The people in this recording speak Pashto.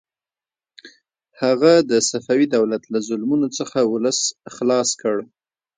هغه د صفوي دولت له ظلمونو څخه ولس خلاص کړ.